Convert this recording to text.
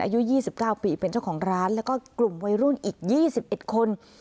อายุ๒๙ปีเป็นเจ้าของร้านแล้วก็กลุ่มวัยรุ่นอีก๒๑คน